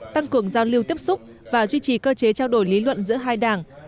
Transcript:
tăng cường giao lưu tiếp xúc và duy trì cơ chế trao đổi lý luận giữa hai đảng